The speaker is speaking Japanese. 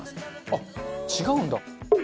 あっ違うんだ。